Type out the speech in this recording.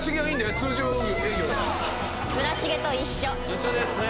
一緒ですね